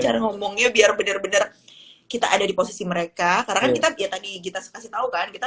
cara ngomongnya biar bener bener kita ada di posisi mereka karena kan kita ya tadi kita kasih tau kan kita